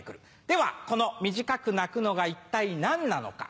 ではこの短く鳴くのが一体何なのか？